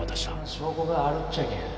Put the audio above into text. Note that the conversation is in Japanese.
証拠があるっちゃけん。